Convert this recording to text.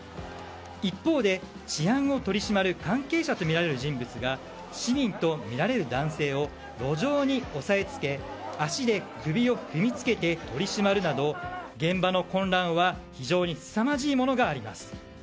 一方で、治安を取り締まる関係者とみられる人物が市民とみられる男性を路上に押さえつけ足で首を踏みつけて取り締まるなど現場の混乱は非常にすさまじいものがあります。